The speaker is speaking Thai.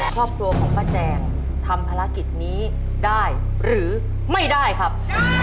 ครอบครัวของป้าแจงทำภารกิจนี้ได้หรือไม่ได้ครับ